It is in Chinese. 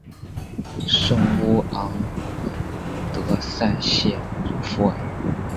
圣乌昂德塞谢鲁夫尔。